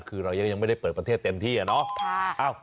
คือเรายังไม่ได้เปิดประเทศเต็มที่อะเนาะ